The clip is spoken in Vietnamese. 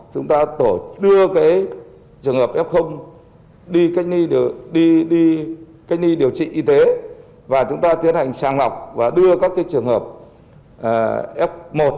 chúng ta đưa trường hợp f đi cách ly điều trị y tế và chúng ta tiến hành sàng lọc và đưa các trường hợp f một